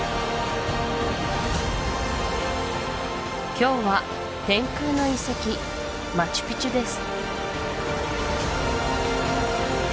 今日は天空の遺跡マチュピチュです